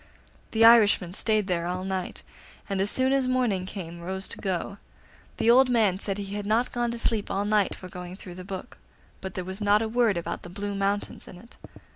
The Irishman stayed there all night, and as soon as morning came rose to go. The old man said he had not gone to sleep all night for going through the book, but there was not a word about the Blue Mountains in it.